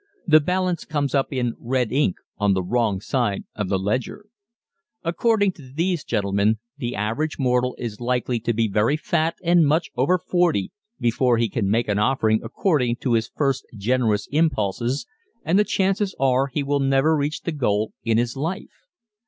The balance comes up in red ink on the wrong side of the ledger. According to these gentlemen the average mortal is likely to be very fat and much over forty before he can make an offering according to his first generous impulses and the chances are he will never reach the goal in this life.